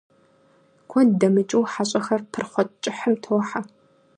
Куэд дэмыкӀыу хьэщӏэхэр пырхъуэ кӀыхьым тохьэ.